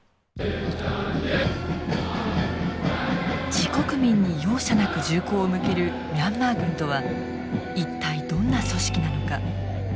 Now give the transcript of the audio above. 自国民に容赦なく銃口を向けるミャンマー軍とは一体どんな組織なのか。